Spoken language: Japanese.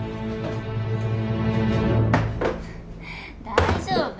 大丈夫？